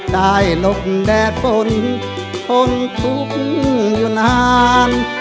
หลบแดดฝนทนทุกข์อยู่นาน